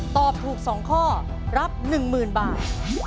ตอบถูก๒ข้อรับ๑๐๐๐บาท